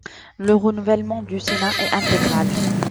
Le renouvellement du Sénat est intégral.